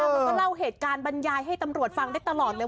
แล้วก็เล่าเหตุการณ์บรรยายให้ตำรวจฟังได้ตลอดเลย